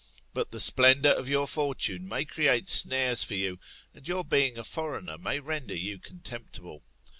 But the splendour of your fortune may create snares for you, and your being a foreigner may render you contemptible.